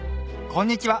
こんにちは！